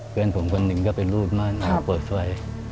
เพื่อนผมคนนึงก็เป็นรูดมั่นมาเปิดไฟ